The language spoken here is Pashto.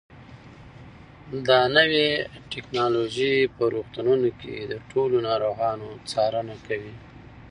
دا نوې ټیکنالوژي په روغتونونو کې د ټولو ناروغانو څارنه کوي.